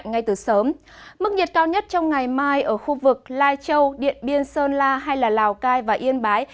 nước nhiệt cao nhất trong ngày mai ở khu vực lai châu điện biên sơn la hay là lào cai và yên bái